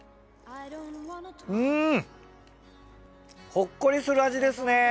うんほっこりする味ですね！